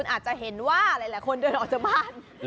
อาจจะเห็นว่าหลายคนเดินออกจากบ้าน